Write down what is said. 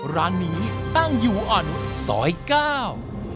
ร้านนี้ตั้งอยู่อันสอยก้าว